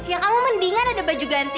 yang kamu mendingan ada baju ganti